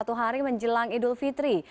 satu hari menjelang idul fitri